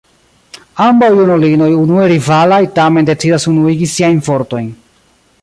Ambaŭ junulinoj unue rivalaj tamen decidas unuigi siajn fortojn.